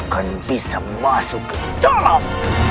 aku akan bisa masuk ke dalam